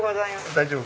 大丈夫？